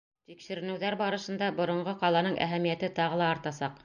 Тикшеренеүҙәр барышында боронғо ҡаланың әһәмиәте тағы ла артасаҡ.